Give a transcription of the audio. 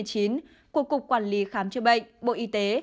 của cục quản lý khám chữa bệnh bộ y tế